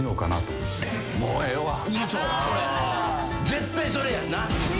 絶対それやんな。